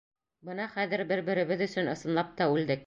Бына хәҙер бер-беребеҙ өсөн ысынлап та үлдек!